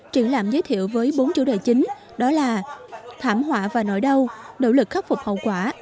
triển lãm giới thiệu với bốn chủ đề chính đó là thảm họa và nỗi đau nỗ lực khắc phục hậu quả